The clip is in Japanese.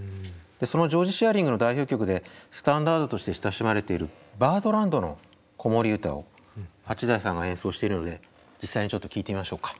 そのジョージ・シアリングの代表曲でスタンダードとして親しまれている「バードランドの子守唄」を八大さんが演奏しているので実際にちょっと聴いてみましょうか。